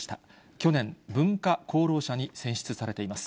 去年、文化功労者に選出されています。